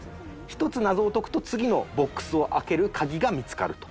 １つ謎を解くと次のボックスを開けるカギが見つかると。